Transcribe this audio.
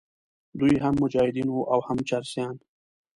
دوی هم مجاهدین وو او هم چرسیان.